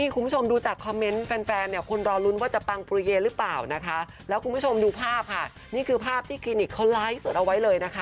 กับการอัพอึำเผิบไซส์หน้าอก